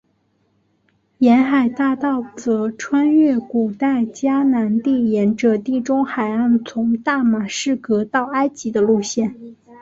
沿海大道则穿越古代迦南地沿着地中海岸从大马士革到埃及的路线。